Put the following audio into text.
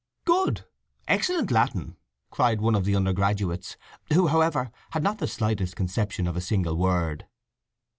_" "Good! Excellent Latin!" cried one of the undergraduates, who, however, had not the slightest conception of a single word.